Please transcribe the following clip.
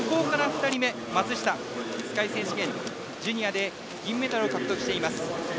松下、世界選手権ジュニアで銀メダルを獲得しています。